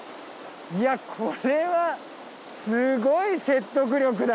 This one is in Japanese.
いやこれはすごい説得力だ！